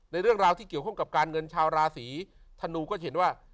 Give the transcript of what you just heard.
เรื่องราวที่เกี่ยวข้องกับการเงินชาวราศีธนูก็จะเห็นว่า